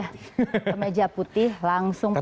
ke meja putih langsung pakai